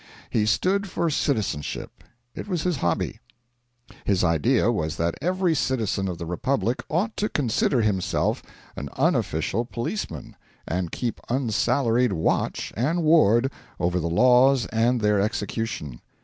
He stood for citizenship it was his hobby. His idea was that every citizen of the republic ought to consider himself an unofficial policeman, and keep unsalaried watch and ward over the laws and their execution.